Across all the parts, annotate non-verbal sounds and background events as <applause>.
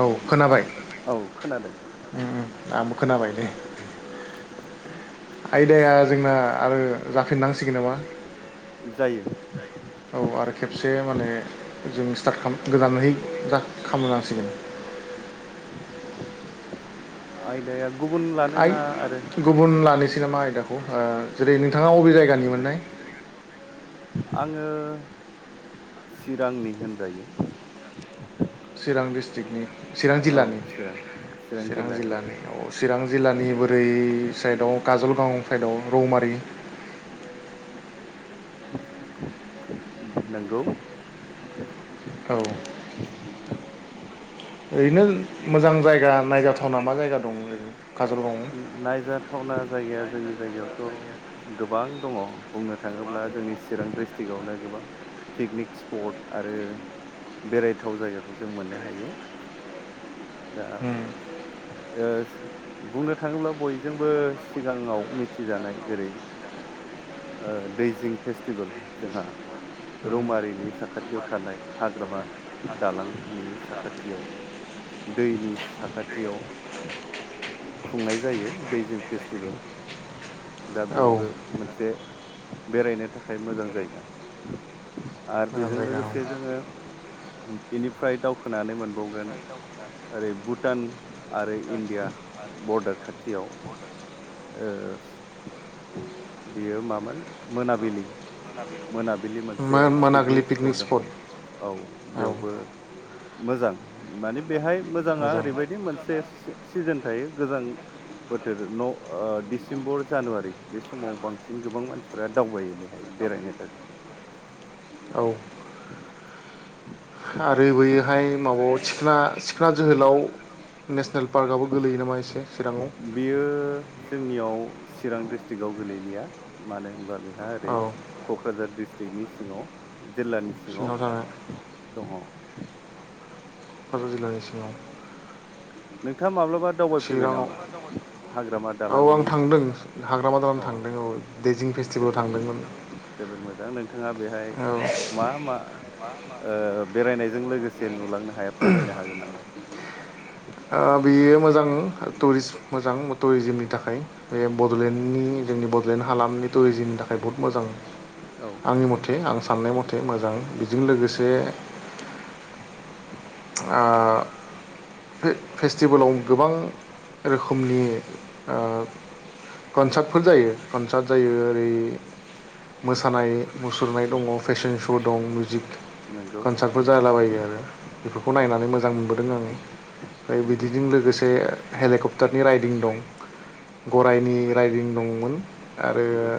औ खोनाबाय औ खोनादों आंबो खोनाबाय दे आयदाया जोंना आरो जाफिननांसिगोन नामा जायो औ आरो खेबसे माने जों स्टार्ट गोदानै खालामनांसिगोन आयदाया गुबुन लानो आइ ना आरो गुबुन लानोसैनामा आयदाखौ जेरै नों आङो चिरांनि होनजायो चिरां द्रिस्तिकनि चिरां औ जिल्लानि चिरां चिरां जिल्लानि औ चिरां जिल्लानि ओरै साइदआव काजलगाव साइदआव रौमारि नंगौ औ ओरैनो मोजां जायगा नायजाथावना मा जायगा दं ओरैनो काजलगावआव नायजाथावना जायगाया जों जायगायावथ' गोबां दङ बुंनो थाङोब्ला जोंनि चिरां डिस्ट्रिक्आवनो गोबां पिकनिक स्पट आरो बेरायथाव जायगाखौ जों मोननो हायो ओम बुंनो बुंनो थाङोब्ला बयजोंबो सिगाङाव मिथिजानाय जेरै दैजिं फेस्टिभेल जोंहा रौमारिनि साखाथियाव थानाय हाग्रामा दालांनि साखाथियाव दैनि साखाथियाव खुंनाय जायो दैजिं फेस्टिभेल दा उम बेबो औ मोनसे एसे बेरायनो थाखाय मोजां जायगा आरो मोजां बेजों जायगा औ लोगोसे जोङो बेनिफ्राय दावखोनानै मोनबावगोन ओरै भुटान आरो इण्डिया बर्डार खाथियाव बेयो मामोन मोनाबिलि मोनाबिलि बिलि मोनसे पिकनिक स्पट दं औ बेवबो मोजां माने बेहाय मोजाङा मोजां ओरैबायदि मोनसे सिजोन थायो गोजां बोथोर न' डिसेम्बर जानुवारि बे सम समाव बांसिन गोबां मानसिफ दावबायो बेहाय बेरायनो थाखाय औ आरो बैयैहाय माबायाव सिखोनना जोहोलाव नेसनेल पार्कआबो गोलैयो नामा एसे चिराङाव बियो जोंनियाव चिरां डिस्ट्रिकटआव गोलैलिया मानो होनबा बेहा ओरै क'क्राझार दिडिस्ट्रिक्नि सिङाव जिल्लानि सि सिङाव दङ क'कझार जिल्लानि सिङाव नोंथाङा माब्लाबा दावबायफैबाय चिराङाव नामा हाग्रामा औ दालांनि आं थांदों हाग्रामाादारानो थांदों औ दैजिं फेस्टिभेलाव जोबोर थांदोंमोन जोबोर मोजां नोंथाङा बेहाय औ मा मा बेरायनायजों लोगोसे नुलांनो हाया फोरमायनो हागोन नामा बेयो मोजां टुरिस्ट मोजां टुरिजिमनि थाखाय बे बड'लेण्डनि जोंनि बड'लेण्ड हालामनि टुरिजिमनि थाखाय बहुत मोजां औ आंनि मथे आं साननाय मथे एसे मोजां बेजों लोगोसे ओ फेस्टिभेलाव गोबां रोखोम रोखोमनि कनसार्टफोर जायो कनसार्ट जायो ओरै मोसानाय मुसुरनाय दङ फेशन श' दं मिउजिक नंगौ कनसार्टफोर जालाबायो आरो बे नायनानै मोजां मोनबोदों आङो मफ्राय नंगौ बिदिजों लोगोसे हेलिकप्टारनि राइदिं दं गराय राइदिं दंमोन आरो नंगौ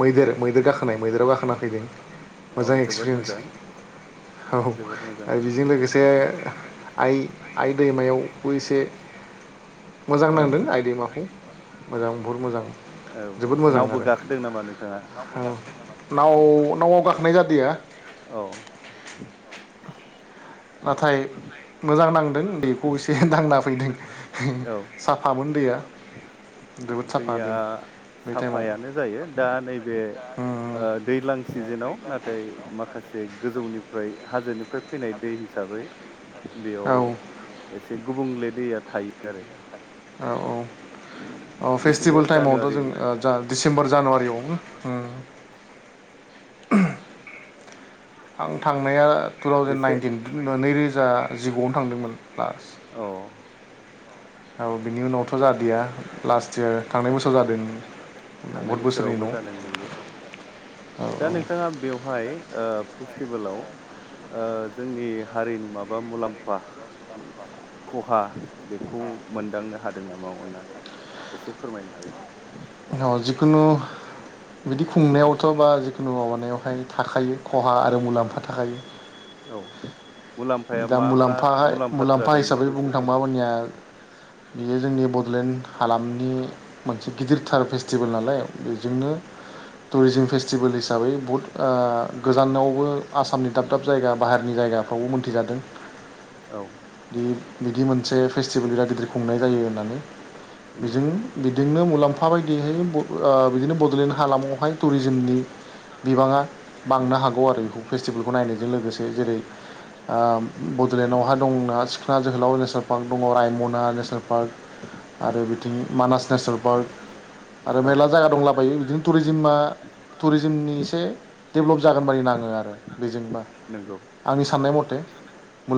मैदेर मैदेर गाखोनाय मैदेराव गाखोना फैदों औ मोजां जोबोद एक्सपिरियेन्स मोजां औ जोबोद मोजां आरो बेजों लोगोसे जे आइ आइ दैमायावबो एसे मोजां औ नांदों आइ दैमाखौ मोजां बहुद मोजां औ औ जोबोद मोजां नावबो गाखोदों नामा नोंथाङा? आरो नाव नावाव गाखोनाय जादिया औ नाथाय मोजां नांदों दैखौ एसे दांना फैदों औ साफामोन दैया जोबोद साफा दैया दै बे टाइमाव साफायानो जायो दा नैबे उम उम ओ दैज्लां सिजोनाव नाथाय माखासे गोजौनिफ्राय हाजोनिफ्राय फैनाय दै हिसाबै औ बेयाव एसे गुबुंले दैया थायो आरो औ औ औ डिसेम्बर फेस्टिभेल टाइमावथ जानुवारि जों ओ जा डिसेम्बर जानुवारियाव उम आं थांनाया टु थावजेेन एसे नाइनटिन नैरोजा जिगुआवनो थांदोंमोन औ लास्ट औ बिनि उनावथ जादिया लास्ट इयार थांनाय बोसोराव जादों थांनाय बहुद बोसोरनि बोसोरावबो उनाव जादों नंगौ औ औ हाय ओ फेस्टिभेलाव ओ जोंनि हारिनि माबा मुलाम्फा खहा बेखौ मोनदांनो हादों नामा अननानै एसे फोरमायनो हागोन औ जिखुनु बिदि खुंनायावथ बा जिखुनु माबानायावहाय थाखायो खहा आरो मुलाम्फा थाखायो औ मुलाम्फाया दा मा मा मुलाम्फाहाय मुलाम्फा जादों हिसाबै बेखौ एसे बुंनो थांबा फोरमाय मानिया बियो जोंनि बडलेण्ड हालामनि मोनसे गिदिर थार फेस्टिभेल नालाय बेजोंनो टुरिजिम फेस्टिभेल हिसाबै बुहुत ओ गोजानावबो आसामनि दाब दाब जायगा बाहेरनि जायगाफ्रावबो मोन थि जादों औ बे बिदि मोनसे फेस्टिभेल बिराद गिदिर खुंनाय जायो होननानै, उम बेजों दिंनो मुलाम्फा बायदिहाय ब ओ बिदिनो बडलेण्ड हालामावहाय टुरिजमनि बिबाङा बांनो हागौ आरो बेखौ फेस्टिभेलखौ नायनायजों लोगोसे जेरै आम बडलेण्डआवहा दंना सिखना जोहोलाव नेसनेल पार्क दङ, रायमना नेसनेल पार्क आरो बिथिं मानास नेसनेल पार्क आरो औ मेरला जायगा दंलाबायो बिदिनो टुरिजिमा टुरिजमनि एसे डेभेलप जागोन बदि नाङो आरो बेजोंबा आंनि साननाय म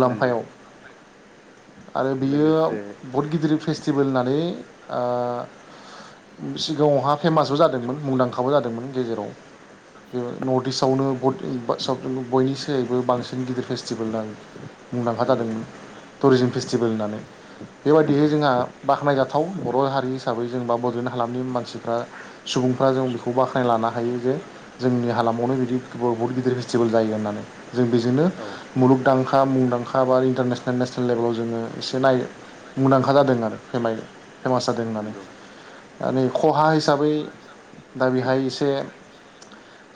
नोंगौ आरो बियो बहुत गिदिर फेस्ट भेल होननानै ओ सिगाङावहा फेमासबो जादोंमोन मुंदांखाबो जादोंमोन गेजेराव नर्थ इस्टआवनो बद इम बा साफ्रोमबो बयनि सायबो बांसिन गिदिर फेस मुंदांखा नंगौ जादों टुरिजिम फेस्टिभेल होननानै बेबायदिहै नंगौ जोंहा बाख्नायजाथाव बर' हारि हिसाबै जों बा बड'लेण्ड हालामनि मानसिफ्रा सुबुंफ्रा जों बेखौ बाख्नाय लाना हायो जे जोंनि हालामावनो बिदि बहुत गिदिर फेस्टिभेल जायो होननानै जों बेजोंनो औ मुलुगदांखा मुंदांखा बा इन्टारनेसनेल नेसनेल लेभेलाव जोङो एसे नाय मुंदांखा जादों आरो फेमास जादों होननानै नंगौ दा नै खहा हिसाबै दा बेहाय एसे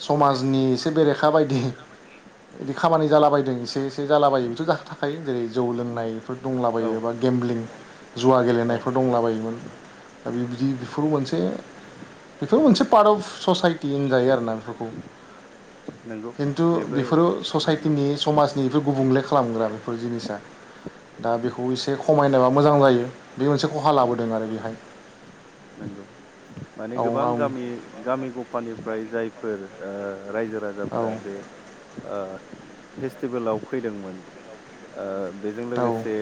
समाजनि एसे बेरेखा बायदि बिदि खामानि एसे एसे जालाबायो बेथ' ज थाखायो जेरै जौ उम लोंनायफोर औ दंलाबायो बा गेमब्लिं जुवा औ गेलेनायफोर दंला बायोमोन दा बि बेफोर मोनसेफोर मोनसे पार्ट अफ ससाइटि होनजायो आरोना बेफोरखौ नंगौ खिन्थु बेबो बेफोरो नंगौ ससाइटिनि समाजनि गुबुंले खालामग्रा बेफोर जिनिसा दा बेखौ एसे खमायनोबा मोजां जायो बे मोनसे खहा लाबोदों आरो बेहाय नंगौ माने औ गोबां औ गामि गामि गफानिफ्राय जाय फोर ओ रायजो औ राजाफोरा बे ओ फेस्टिभेलाव फैदोंमोन ओ बेजों औ लोगोसे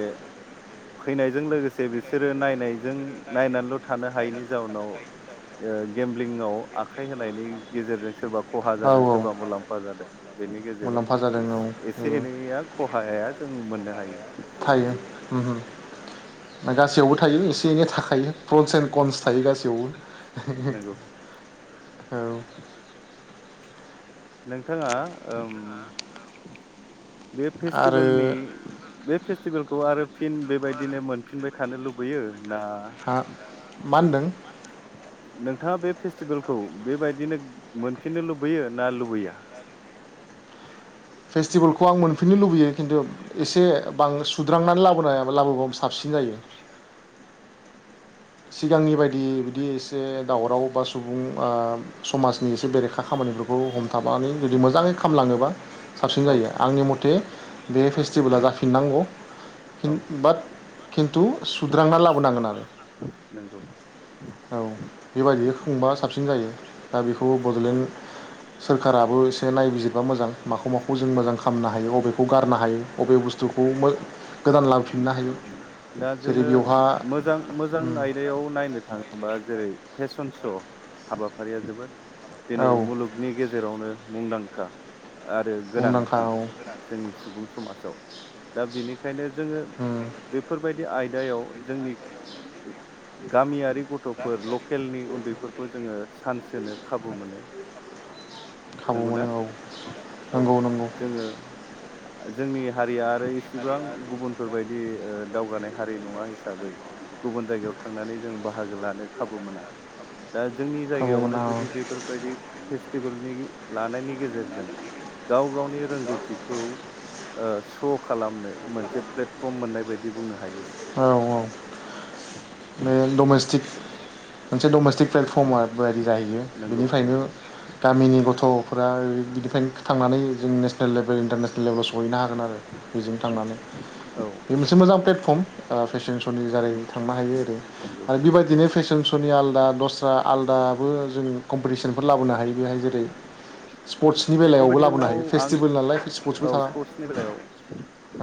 फैनायजों लोगोसे बिसोरो नायनायजों नायनानैल'। थानो हायैनि जाउनाव गेमलिंआव आखाइ होनायनि गेजेरजों सोरबा खहा जादों सोरबा जोंहा मुलाम्फा जादों बेनि मुलाम्फा जादों बा मुलाम्फा जादों गेजेराव औ एसे एनैया खहाया जों मोननो हायो। थायो गासैयावबो थायो एसे एनै थाखायो प्रन्स एन्ड कन्स थायो नंगौ गासैयावबो औ। नोंथाङा ओम। बे आरो फेस्टिभेलनि बे फेस्टिभेलखौ आरो। फिन बेबायदिनो मोनफिनबाय थानो लुबैयो ना हा मा होनदों। नोंथाङा बे फेस्टिभेलखौ बेबायदिनो मोनफिननो लुबैयो। ना लुबैया। फेस्टिभेलखौ आं मोनफिननो लुबैयो। खिन्थु एसे बां सुद्रांनानै लाबोनाया लाबोबाबो साबसिन जायो। सिगांनि बायदि बिदि एसे दावराव बा सुबुं समाजनि एसे बेरेखा खामानिफोरखौ हम थाबानानै जुदि मोजाङै खालामलाङोबा साबसिन औ जायो आंनि मथे बे फेस्ट सिबोला जाखो <unintelligible> फिननांगौ औ फिन बाट। न्थु सुद्रांना लाबोनांगोन आरो। नंगौ औ बेबायदि खुंबा साबसिन जायो दा बेखौ बड'ल लेन सोरखाराबो इसे नायबिज दिबा मोजां माखौ माखौ जों मोजां खामनो हायो अबेखौ गारनो हायो अबे बुस्थुखौ मो गोदान लाबोफिननो हायो जेरै बेयावहा जां आयदायाव नायनो थाङोबा जेरै फेशन श' हाबाफारिया जोबोद। औ दिनै मुलुगनि गेजेरावनो मुंदां का आरो मुंदांखा गोनांथि जोंनि सुबुं समाजाव। दा बिनिख बेखायनो जोङो औ बेफोरबायदि आयद गायाव जोंनि ग-गामियारि गथ'फोर लकेलनि उन्दैफोरखौ जोङो। सान्स होनो खाबु मोनो। खाबु नंगौना मोनो औ। औ नंगौ नंगौ जोङो आ जोंनि हारिया इसेबां गुबुनफोरबायदि ओ दावगानाय हारि नङा हिसाबै गुबुन जायगायाव थांनानै जों बाहागो लानो खाबु मोना। दा जोंनि खाबु मोना जायगायावनो औ जुदि बेफोरबायदि फेस्टिबोलनि लानायनि गेजेरज जों गाव गावनि रोंगौथिखौ ओ सु सख खालामनो मोनसे प्लेटफर्म मोननाय बायदि बुंनो हायो। औ औ। नो डमेस्टिक मोनसे डमेस्टिक प्लेटफर्मा बायदि जाहैयो नंगौ बेनिफ्रायनो नंगौ गामिनि गथ'फोरा ओ गिद <unintelligible> थांनानै जों नेसनेल लेब बो इन्टारनेसनेल लेबेलावसहैना हागोन आरो बेजों थांनानै औ बे मोनसे मोजां प्लेटफर्म ओ फेशन श'नि दारै थांनो हायो। नंगौ आरो बेबायदिनो फेसन श'नि आलदा दस्रा आलादाबो जों कम्पिटिसनफोर लाबोनो हायो बेहाय जेरै स्पर्टसनि बेलायावबो लाबोनो कम्पिटिसनाव हायो आं फेस्टिभेल नालाय स्पर्टसबो औ थाङा स्पर्टसनि बेलायाव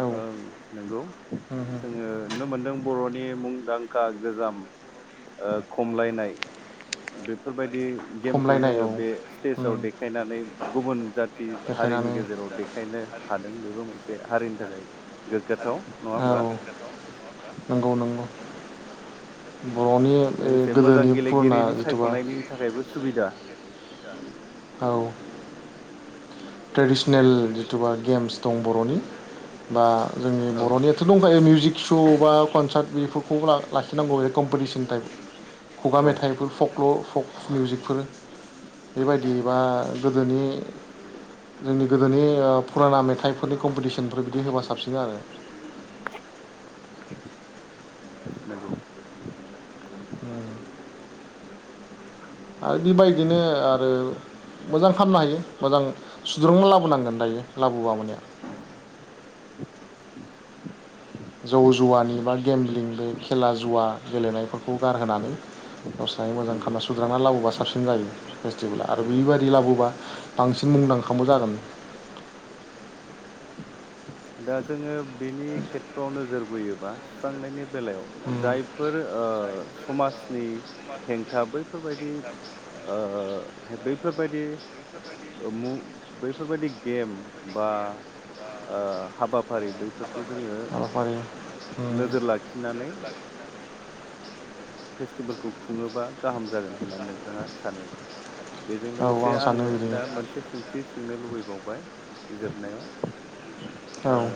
औ ओं नंगौ जोङो नुनो मोनदों बर'नि मुंदांखा गोजाम ओ खमलायनाय बेफोरबायदि गेमखौ खमलायनाय जोङो औ बे स्टेजाव खायनानै गुबुन जाथि हारिनि बेखायनो गेजेराव देखायनो हादों बेबो मोनसे हारिनि <unintelligible> नङा होमबा औ नंगौ नंगौ बर'नि ओ लोगोसे मोजां गोदोनि फुराना गेलेगिरिनि जिथुबा सायख'नायनि थाखायबो सुबिदा <unintelligible> नेल जिथुबा गेम्स दं बर'नि बा जोंनि औ बर'नियाथ' दंखायो मिउजिक श' बा कनसार्ट बेफोरखौबो लाखिनांगौ कमपाटी थाइ खुगा औ मेथाइफोर फक फक मिउजिकफोर बेबायदि बा गोदोनि जोंनि गोदोनि ओ फुराना मेथाइफोरनि कम्पटिसनफोर बिदि होबा साबसिन आरो नंगौ आ बेबायदिनो आरो मोजां फाननो हायो मोजां सुद्रुंबो लाबो जौ जुवानि बा गेम्लिं बे खेला ज जुवा गेलेनायफोरखौ गारहोना <unintelligible> दस्राय मोजां नंगौ खानना सुद्रांना लाबोबा साबसिन जायो फेस्टिभला आरो नंगौ बेबायाददि लाबोबा बांस मुंदांखांबो जागोन दा जोङो बेनि खेथ्र'आव नोजोर बोयोबा सुस्रांनायनि बेलायाव जायफोर ओ समाजनि हेंथा बैफोरबायदि ओ बैफोरबायदि म बैफोरबायदि गेम बा ओ हाबाफारि बैफोरखौ जोङो हाबाफारि नोजोर लाखिनानै फेस्टिभेलखौ खुंङोबा गाहाम जागोन होनना नोंथांङा सानो बेजों औ लोगोसे आं सानो आंङो बिदिनो दा मोनसे सोंथि सोंनो लुबैबावबाय जोबनायाव ओ औ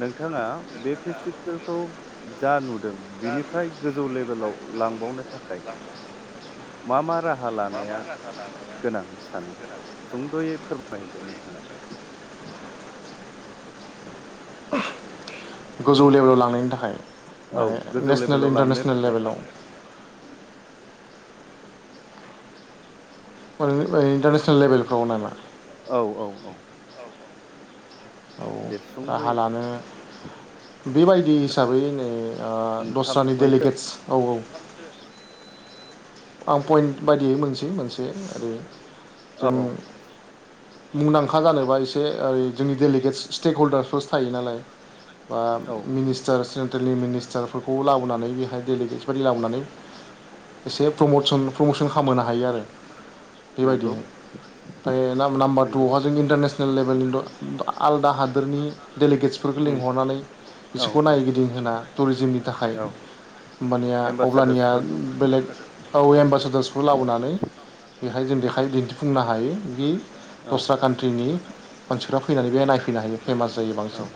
नोंथांङा बे फेस्टिभेलखौ जा नुदों बिनिफ्राय गोजौ लेभेलाव लांबावनो थाखाय मा मा राहा लानाया गोनां सानो? सुंद'यै फोरमायहरदो नोंथांङा गोजौ लेभेलाव लांनायनि था खाय औ माने गोजौ नेसनेल लेभेलाव लांनो इन्टारनेसनेल थाखाय लेभेलाव <unintelligible> टारनेसनेल लेबेलफ्राव नामा औ औ औ औ दे राहा सुंद'यै लानो बेबायदि हिसाबैनो ओ मोनथाम दस्रानि मोनथाम डेलिगेटस औ औ आं पइन्ट बायदियै मोनसै मोनसे बे आरि औ जों औ मुंदांखा जानोबा एसे ऐ जोंनि डलिगेट सि-स्टेक हल्डार पस थायो नालाय। बा औ मिनिस्टार्स सेन्ट्रेलनि मिनिस्टारफोरखौ लाबोनानै बेहाय डेलिगेटस बादि लाबोनानै एसे प्रमसन प्रमसन खालामहोनो हायो आरो। बेबायदिनो नंगौ ओमफाय नाम नाम्बार नंगौ थुआवहा जोंनि इन्टारनेसनेल लेभेलनिथ' आलदा हादोरनि डेलिगेटसफोरखौ उम लिंहरनानै औ बिसोरखौ नायगिदिं होना टुरिजिमनि थाखाय औ होमबानिया अब्लानिया एम्बासादर्सफोरखौ बेलेग औ एम्बासादार्सखौ लाबोनानै बेहाय जों देखाय दिन्थिफुंनो हायो दि औ दस्रा कान्ट्रिनि मानसिफ्रा फैनानै बेहाय नाय फैनो हायो फेमास जायो औ बांसिन।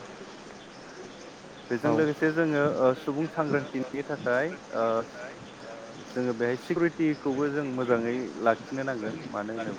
बेजों औ लोगोसे जोंङो ओ सुबुं सांग्रांथि नि थाखाय ओ जोंङो बेहाय सिकिउरिटिखौबो जों मोजांङै लाखिनो नांगोन। मानो होनोब